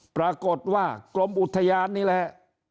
ปรากฏว่ากรมอุทยานนี่แหละ